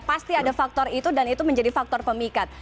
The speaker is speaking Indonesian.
pasti ada faktor itu dan itu menjadi faktor pemikat